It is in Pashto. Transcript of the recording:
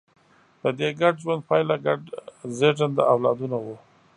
د دې ګډ ژوند پایله ګډ زېږنده اولادونه وو.